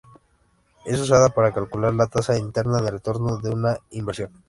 Es usada para calcular la tasa interna de retorno de una inversión.